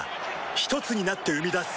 ひとつになって生み出す